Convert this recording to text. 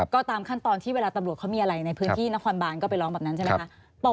ก็ตามขั้นตอนที่เวลาตำรวจเขามีอะไรในพื้นที่นครบานก็ไปร้องแบบนั้นใช่ไหมคะ